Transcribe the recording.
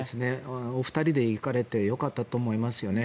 お二人で行かれてよかったと思いますよね。